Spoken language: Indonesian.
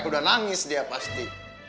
udah nangis dia pasti